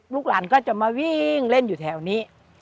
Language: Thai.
ลูกหลานก็จะมาวิ่งเล่นอยู่แถวนี้